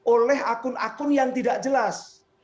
oleh akun akun yang tidak jelas